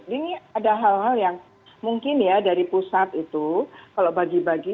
jadi ini ada hal hal yang mungkin ya dari pusat itu kalau bagi bagi